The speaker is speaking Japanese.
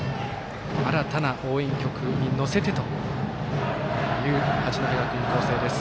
新たな応援曲に乗せてという八戸学院光星です。